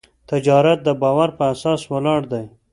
تجارت د باور په اساس ولاړ دی.